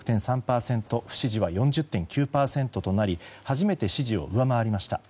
不支持は４０．９％となり初めて支持を上回りました。